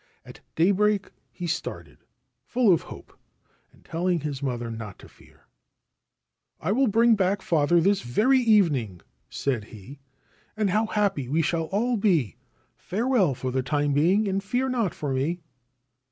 At daybreak he started, full of hope, and telling his mother not to fear. * I will bring back father this very evening/ said he ;< and how happy we shall all be ! Farewell for the time being, and fear not for me